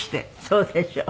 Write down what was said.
そうでしょう。